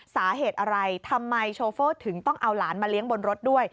สาเหตุอะไรทำไมโชเฟอร์ถึงต้องเอาหลานมาเลี้ยงบนรถด้วย